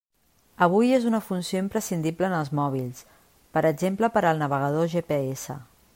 Avui és una funció imprescindible en els mòbils, per exemple per al navegador GPS.